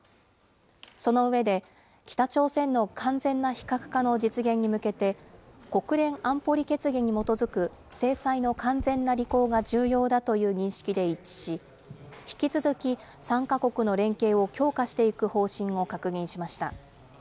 その上で、北朝鮮の完全な非核化の実現に向けて、国連安保理決議に基づく制裁の完全な履行が重要だという認識で一致し、引き続き３か国の連携を強化していく方針を確認しました。